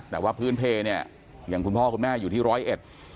แต่ว่าพื้นเพลเนี่ยอย่างคุณพ่อคุณแม่อยู่ที่ร้อยเอ็ด